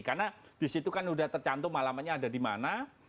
karena di situ kan sudah tercantum alamanya ada di mana